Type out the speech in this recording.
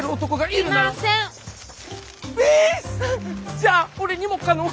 じゃあ俺にも可能性。